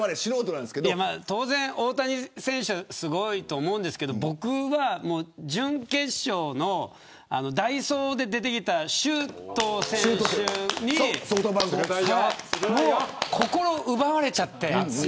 当然、大谷選手はすごいと思うんですけど僕は準決勝の代走で出てきた周東選手に心を奪われちゃって。